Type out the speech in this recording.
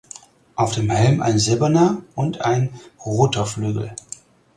Auf dem Helm ein silberner und ein roter Flügel.